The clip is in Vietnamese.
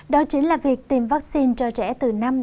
đó chính là việc tìm vaccine cho trẻ từ năm